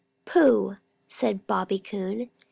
"Pooh!" said Bobby Coon.